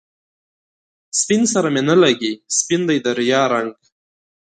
سپين سره می نه لګي، سپین دی د ریا رنګ